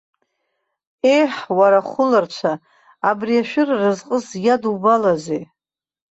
Еҳ, уара хәыларцәа, абри ашәыра разҟыс иадубалазеи?